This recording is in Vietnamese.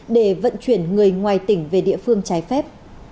để vận chuyển người ngoài tỉnh về địa phương trái phép